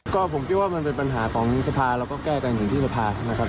ก็ผมคิดว่ามันเป็นปัญหาของสภาเราก็แก้กันอยู่ที่สภานะครับ